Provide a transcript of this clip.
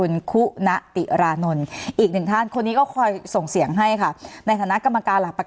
สนับสนุนโดยพี่โพเพี่ยวสะอาดใสไร้คราบ